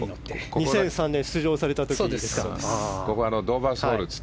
２００３年に出場された時ですね。